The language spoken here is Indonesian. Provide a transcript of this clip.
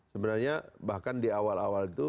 sebenarnya bahkan di awal awal itu